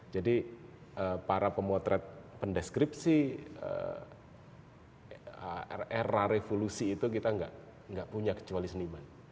jadi para pemotret pendeskripsi era revolusi itu kita enggak punya kecuali seniman